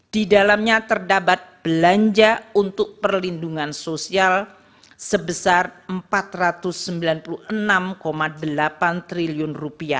di dalamnya terdapat belanja untuk perlindungan sosial sebesar rp empat ratus sembilan puluh enam delapan triliun